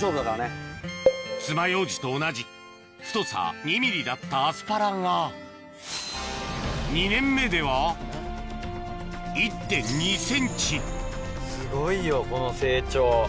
つまようじと同じ太さ２ｍｍだったアスパラが２年目ではすごいよこの成長。